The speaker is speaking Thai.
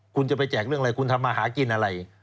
คุณจะไปแจกเรื่องอะไรคุณทำมาหากินอะไร